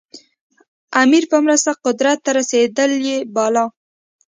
امیر په مرسته قدرت ته رسېدلی باله.